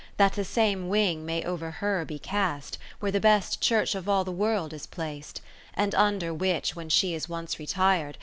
That the same wing may over her be cast, Where the best Church of all the World is plac'd, And under which when she is once retir'd.